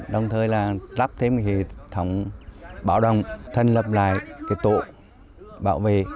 đồng thời là lắp thêm hệ thống bảo đồng thân lập lại cái tổ bảo vệ